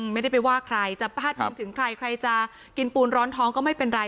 ไม่ได้ไปว่าใครจะพาดพิงถึงใครใครจะกินปูนร้อนท้องก็ไม่เป็นไร